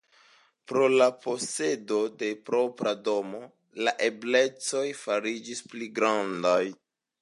Pro la posedo de propra domo, la eblecoj fariĝis pli grandaj.